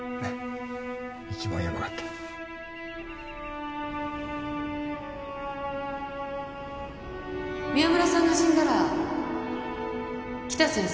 一番ヤバかった・宮村さんが死んだら北先生